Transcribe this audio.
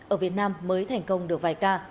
ở việt nam mới thành công được vài ca